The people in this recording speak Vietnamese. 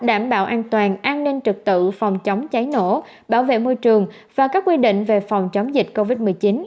đảm bảo an toàn an ninh trực tự phòng chống cháy nổ bảo vệ môi trường và các quy định về phòng chống dịch covid một mươi chín